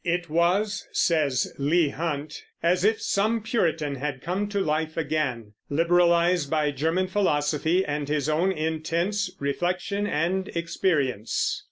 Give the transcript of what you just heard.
"It was," says Leigh Hunt, "as if some Puritan had come to life again, liberalized by German philosophy and his own intense reflection and experience."